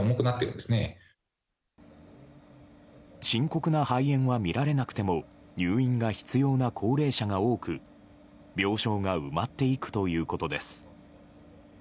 深刻な肺炎は見られなくても入院が必要な高齢者が多く病床が埋まっていくということです。